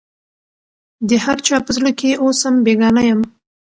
د هر چا په زړه کي اوسم بېګانه یم